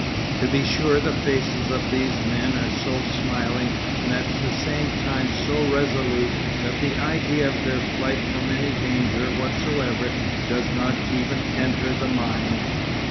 To be sure the faces of these men are so smiling and at the same time so resolute that the idea of their flight from any danger whatsoever does not even enter the mind.